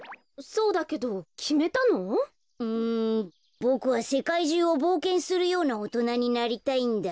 ボクはせかいじゅうをぼうけんするようなおとなになりたいんだ。